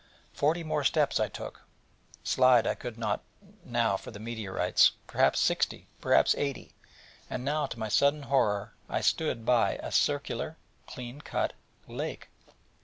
Forty more steps I took (slide I could not now for the meteorites) perhaps sixty perhaps eighty: and now, to my sudden horror, I stood by a circular clean cut lake.